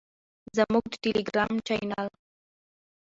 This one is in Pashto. زموږ د ټیلیګرام چینل